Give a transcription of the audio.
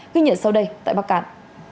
ghi nhận sau đây tại bắc cạn